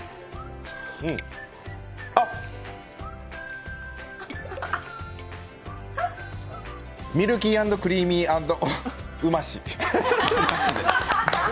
あミルキー＆クリーム＆うまし。